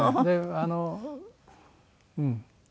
あのうん。